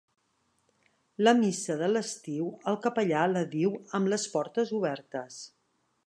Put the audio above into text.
La missa de l’estiu el capellà la diu amb les portes obertes.